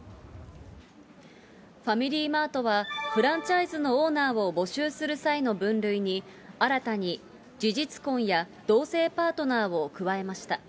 ファミリーマートは、フランチャイズのオーナーを募集する際の分類に、新たに事実婚や同性パートナーを加えました。